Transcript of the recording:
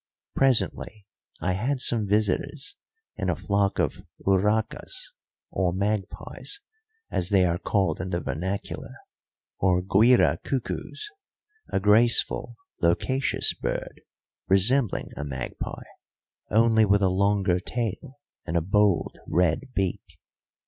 Presently I had some visitors in a flock of urracas, or magpies, as they are called in the vernacular, or Guira cuckoos; a graceful, loquacious bird resembling a magpie, only with a longer tail and a bold, red beak.